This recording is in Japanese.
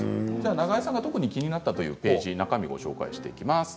永江さんが特に気になったというページをご紹介します。